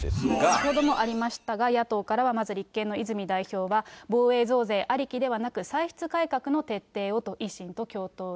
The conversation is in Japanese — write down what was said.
先ほどもありましたが、野党からはまず立憲の泉代表は防衛増税ありきではなく、歳出改革の徹底をと、維新と共闘へ。